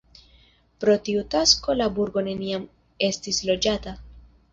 Pro tiu tasko la burgo neniam estis loĝata.